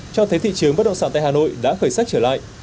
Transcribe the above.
cho thấy thị trường bất động sản tại hà nội đã khởi sắc trở lại